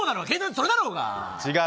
それだろうが！